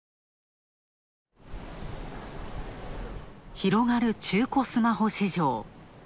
広がる中古スマホ市場。